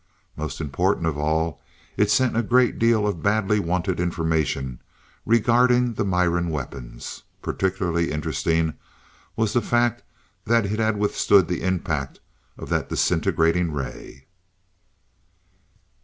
Most important of all, it sent a great deal of badly wanted information regarding the Miran weapons. Particularly interesting was the fact that it had withstood the impact of that disintegrating ray.